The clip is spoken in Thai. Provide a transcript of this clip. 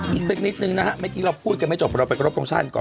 อีกสักนิดนึงนะฮะเมื่อกี้เราพูดกันไม่จบเราไปขอรบตรงชาติก่อน